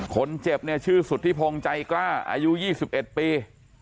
คนเจ็บเนี่ยชื่อสุธิพงศ์ใจกล้าอายุ๒๑ปี